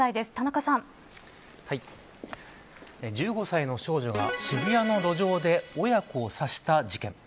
１５歳の少女が渋谷の路上で親子を刺した事件。